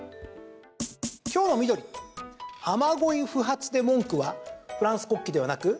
今日の緑、雨乞い不発で文句はフランス国旗ではなく？